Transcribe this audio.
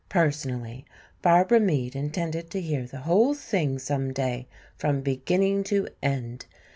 Personally, Barbara Meade intended to hear the whole thing some day from beginning to end.